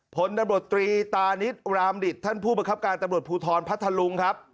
ผลตำรวจตรีตานิดรามดิตท่านผู้ประคับการตำรวจภูทรพัทธลุงครับ